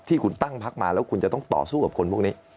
ที่คุณตั้งพักมาแล้วคุณจะต้องต่อสู้กับคนพวกนี้